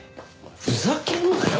ふざけんなよ